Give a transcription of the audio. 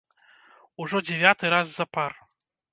Ужо дзевяты раз запар.